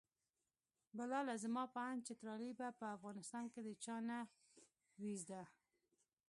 بلاله زما په اند چترالي به په افغانستان کې د چا نه وي زده.